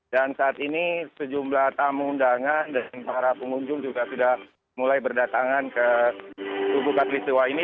dan saat ini sejumlah tamu undangan dan para pengunjung juga sudah mulai berdatangan ke tugu katolik setiwa ini